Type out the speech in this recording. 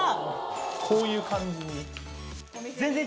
こういう感じに。